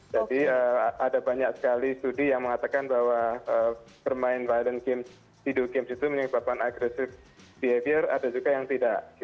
jadi ada banyak sekali studi yang mengatakan bahwa permain violent games video games itu menyebabkan agresif behavior ada juga yang tidak